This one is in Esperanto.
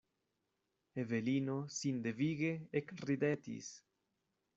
Evelino sindevige ekridetis.